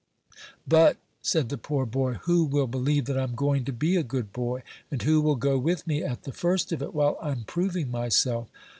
"But," said the poor boy, "who will believe that I'm going to be a good boy? and who will go with me at the first of it, while I'm proving myself?"